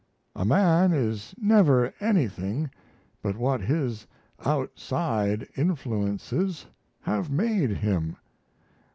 A man is never anything but what his outside influences have made him.